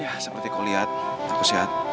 ya seperti kau lihat aku siap